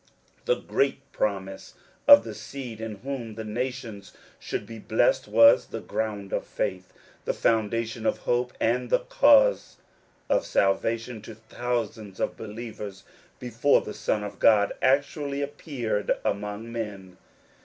The great promise of the seed in whom the nations should be blessed was the ground of faith, the foundation of hope and the cause of salvation to thousands of believers before the Son of God actually appeared among men.